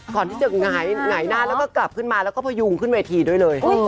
ก่อนที่จะหงายหน้าแล้วก็กลับขึ้นมาแล้วก็พยุงขึ้นเวทีด้วยเลย